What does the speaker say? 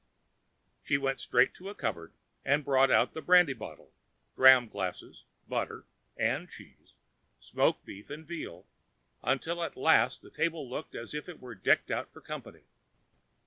She went straight to a cupboard and brought out the brandy bottle, dram glasses, butter and cheese, smoked beef and veal, until at last the table looked as if it were decked out for company.